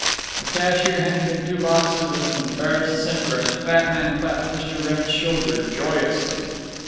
The cashier handed him two boxes, with an embarrassed simper, and the fat man clapped Mr. Wrenn's shoulder joyously.